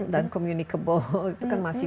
dan communicable itu kan masih